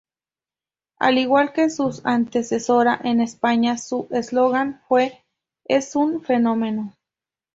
Al igual que su antecesora, en España su eslogan fue "Es un fenómeno".